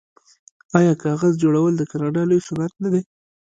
آیا کاغذ جوړول د کاناډا لوی صنعت نه دی؟